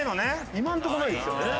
今のとこないですよね。